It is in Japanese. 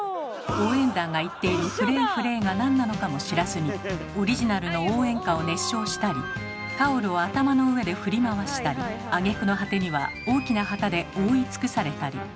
応援団が言っている「フレーフレー」が何なのかも知らずにオリジナルの応援歌を熱唱したりタオルを頭の上で振り回したりあげくの果てには大きな旗で覆い尽くされたり。